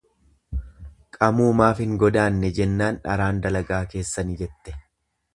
Qamuu maaf hin godaanne jennaan dharaan dalagaa keessani jette.